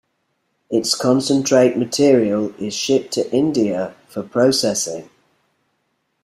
Its concentrate material is shipped to India for processing.